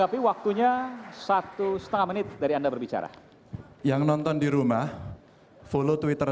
butuh menjahat karena pengacara kebencian